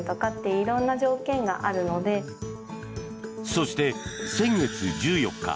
そして、先月１４日